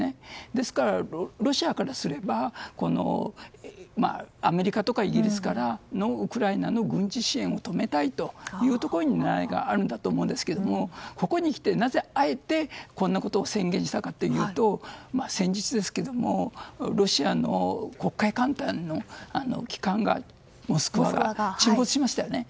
ですから、ロシアからすればアメリカとかイギリスからのウクライナへの軍事支援を止めたいという狙いがあると思いますがここにきてあえて、なぜこんなことを宣言したかというと、先日ロシアの黒海艦隊の旗艦「モスクワ」が沈没しましたよね。